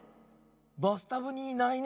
バスタブにいないね。